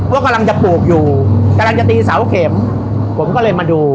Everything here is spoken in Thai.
ว่ากำลังจะปลูกอยู่กำลังจะตีเสาเข็มผมก็เลยมาดู